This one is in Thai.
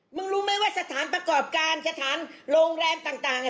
รู้ไหมว่าสถานประกอบการสถานโรงแรมต่าง